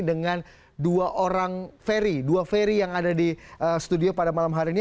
dengan dua orang ferry dua ferry yang ada di studio pada malam hari ini